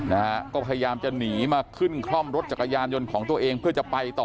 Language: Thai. นะฮะก็พยายามจะหนีมาขึ้นคล่อมรถจักรยานยนต์ของตัวเองเพื่อจะไปต่อ